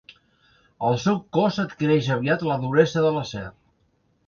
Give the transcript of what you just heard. El seu cos adquireix aviat la duresa de l'acer.